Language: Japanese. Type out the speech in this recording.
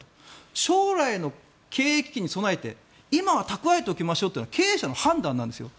将来の経営危機に備えて、今は蓄えておきましょうというのは経営者の判断なんですよ。